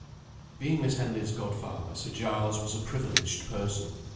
IV BEING Miss Henley's godfather, Sir Giles was a privileged person.